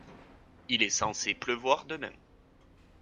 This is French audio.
Il est censé pleuvoir demain.